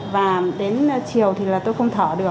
và đến chiều thì là tôi không thở được